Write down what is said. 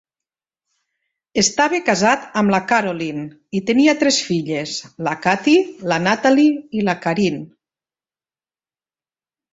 Estava casat amb la Carolyn i tenia tres filles, la Kathie, la Natalie i la Karine.